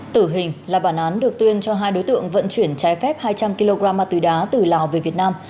tử hình là bản án được tuyên cho hai đối tượng vận chuyển trái phép hai trăm linh kg ma túy đá từ lào về việt nam